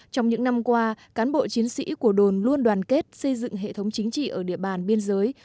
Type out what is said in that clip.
trong những năm qua cán bộ chiến sĩ của đồn luôn đoàn kết xây dựng hệ thống chính trị ở địa bàn biên giới